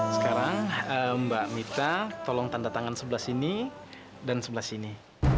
sekarang mbak mita tolong tanda tangan sebelah sini dan sebelah sini